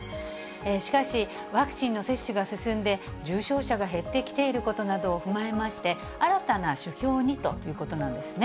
しかし、ワクチンの接種が進んで重症者が減ってきていることなどを踏まえまして、新たな指標にということなんですね。